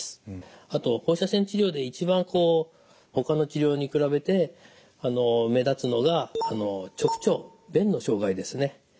あと放射線治療で一番ほかの治療に比べて目立つのが直腸便の障害ですね。